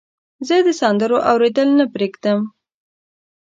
زه د سندرو اوریدل نه پرېږدم.